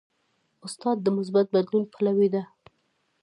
استاد د مثبت بدلون پلوی دی.